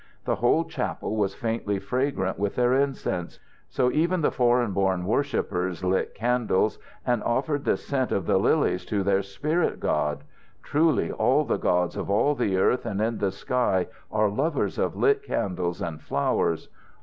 The whole chapel was faintly fragrant with their incense. So even the foreign born worshipers lit candles, and offered the scent of the lilies to their spirit God. Truly, all the gods of all the earth and in the sky are lovers of lit candles and flowers.